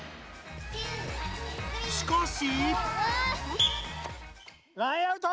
しかし。